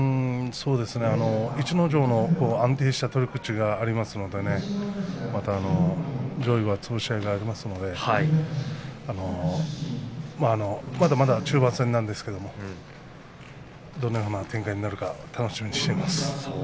逸ノ城の安定した取り口がありますのでまた上位はつぶし合いがありますのでまだまだ中盤戦なんですがどのような展開になるか楽しみにしています。